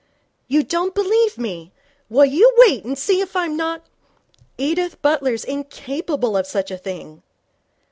You don't believe me. Well, you wait and see if I'm not ' 'Edith Butler's incapable of such a thing.'